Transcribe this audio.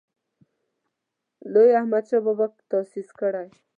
لوی احمدشاه بابا تاسیس کړی.